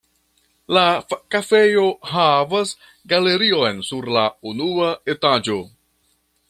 La kafejo havas galerion sur la unua etaĝo.